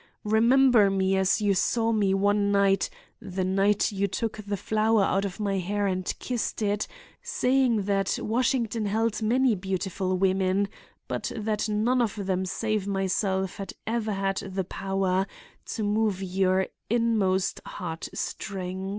Remember me as you saw me one night—the night you took the flower out of my hair and kissed it, saying that Washington held many beautiful women, but that none of them save myself had ever had the power to move your inmost heart strings.